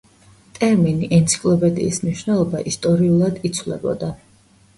ტერმინი „ენციკლოპედიის“ მნიშვნელობა ისტორიულად იცვლებოდა.